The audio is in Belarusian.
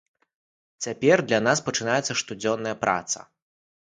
Цяпер для нас пачынаецца штодзённая праца.